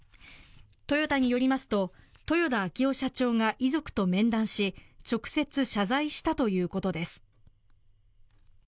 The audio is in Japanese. トヨタによりますと豊田章男社長が遺族と面談し直接謝罪したということです。